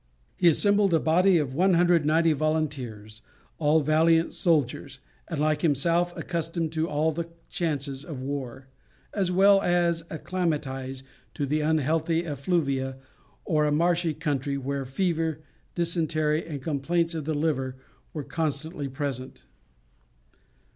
He assembled a body of 190 volunteers, all valiant soldiers, and like himself, accustomed to all the chances of war, as well as acclimatised to the unhealthy effluvia of a marshy country, where fever, dysentery, and complaints of the liver were constantly present.